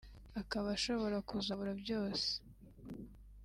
akaba ashobora kuzabura byose